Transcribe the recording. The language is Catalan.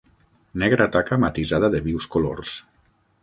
Negra taca matisada de vius colors.